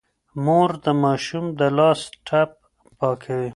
مور د ماشوم د لاس ټپ پاکوي.